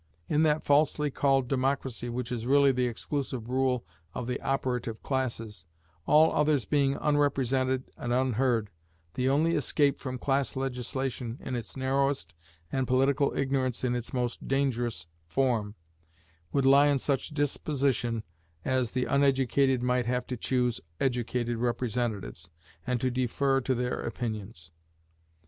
In that falsely called democracy which is really the exclusive rule of the operative classes, all others being unrepresented and unheard, the only escape from class legislation in its narrowest, and political ignorance in its most dangerous form, would lie in such disposition as the uneducated might have to choose educated representatives, and to defer to their opinions.